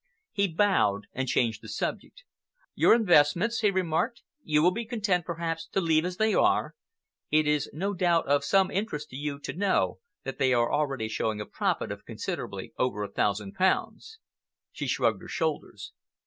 He bowed and changed the subject. "Your investments," he remarked, "you will be content, perhaps, to leave as they are. It is, no doubt, of some interest to you to know that they are showing already a profit of considerably over a thousand pounds." She shrugged her shoulders.